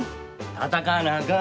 闘わなあかん。